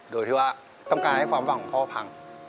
โดยที่ว่าต้องการให้ความหวังของพ่อพัง